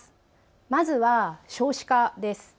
まずは少子化です。